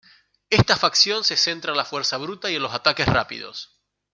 Esta facción se centra en la fuerza bruta y en los ataques rápidos.